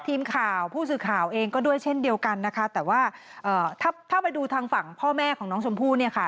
ทีมข่าวผู้สื่อข่าวเองก็ด้วยเช่นเดียวกันนะคะแต่ว่าเอ่อถ้าถ้าไปดูทางฝั่งพ่อแม่ของน้องชมพู่เนี่ยค่ะ